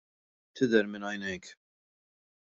" Tidher minn għajnejk. "